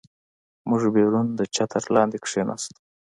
موږ بیرون د چتر لاندې کېناستو.